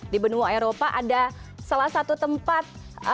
di benua eropa ada salah satu tempat